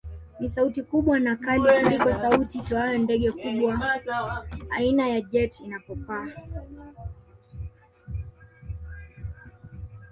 Ni sauti kubwa na kali kuliko sauti itoayo ndege kubwa aina ya jet inapopaa